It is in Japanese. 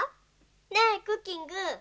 ねえクッキング。